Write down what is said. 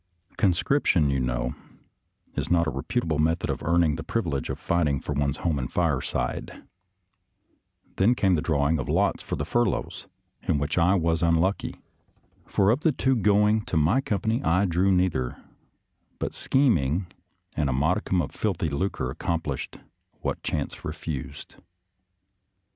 Conscription, you know, is not a reputable method of earning the privilege of fighting for one's home and fireside. 222 SOLDIER'S LETTERS TO CHARMING NELLIE Then came the drawing of lots for the fur loughs, in which I was unlucky, for of the two going to my company I drew neither, but schem ing and a modicum of filthy lucre accomplished what chance refused.